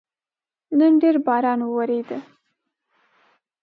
نن ډېر باران وورېده